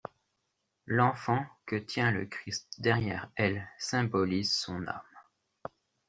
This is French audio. L’enfant que tient le Christ derrière elle symbolise son âme.